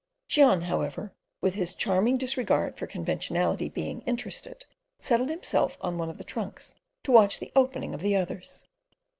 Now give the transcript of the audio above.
Cheon however, with his charming disregard for conventionality being interested, settled himself on one of the trunks to watch the opening up of the others.